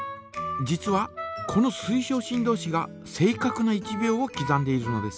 実はこの水晶振動子が正かくな１秒をきざんでいるのです。